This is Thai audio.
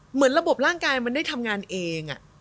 เหมือนระบบร่างกายมันได้ทำงานเอง